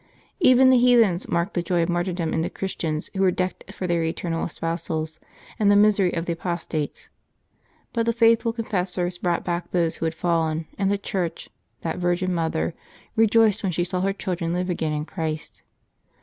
Even the heathens marked the joy of martyrdom in the Christians who were decked for their eternal espousals, and the misery of the apostates. But the faithful confessors brought back those who had fallen, and the Church, *^that Virgin Mother," rejoiced when she saw her children live again in Christ.